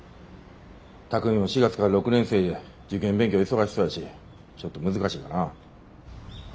巧海も４月から６年生で受験勉強忙しそうやしちょっと難しいかなあ。